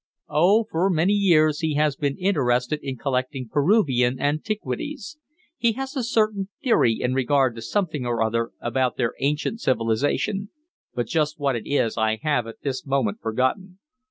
"Oh, for many years he has been interested in collecting Peruvian antiquities. He has a certain theory in regard to something or other about their ancient civilization, but just what it is I have, at this moment, forgotten.